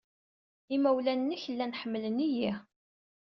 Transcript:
Imawlan-nnek llan ḥemmlen-iyi.